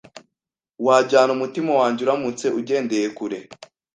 Wajyana umutima wanjye uramutse ugendeye kure